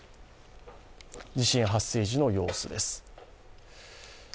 地震発生時の様子です。